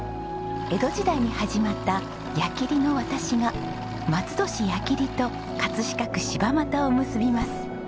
江戸時代に始まった矢切の渡しが松戸市矢切と飾区柴又を結びます。